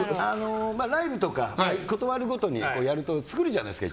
ライブとかことあるごとにやると作るじゃないですか。